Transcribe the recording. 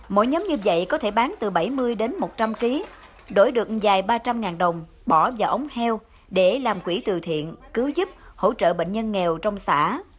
mỗi nhóm như vậy có thể bán từ bảy mươi đến một trăm linh kg đổi được dài ba trăm linh đồng bỏ vào ống heo để làm quỹ từ thiện cứu giúp hỗ trợ bệnh nhân nghèo trong xã